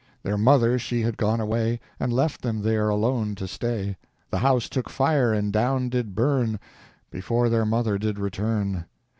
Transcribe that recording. Their mother she had gone away, And left them there alone to stay; The house took fire and down did burn; Before their mother did return.